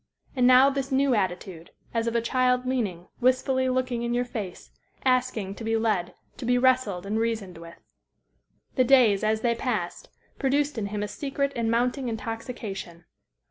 And now this new attitude, as of a child leaning, wistfully looking in your face, asking to be led, to be wrestled and reasoned with. The days, as they passed, produced in him a secret and mounting intoxication.